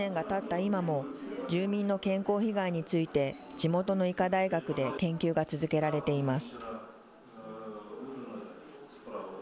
今も、住民の健康被害について、地元の医科大学で研究が続けられています。